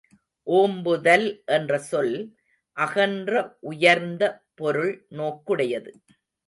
ஓம்புதல் என்ற சொல், அகன்ற உயர்ந்த பொருள் நோக்குடையது.